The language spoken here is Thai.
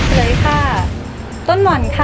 เฉลยค่ะต้นหม่อนค่ะ